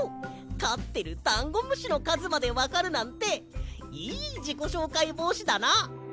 かってるダンゴムシのかずまでわかるなんていいじこしょうかいぼうしだな！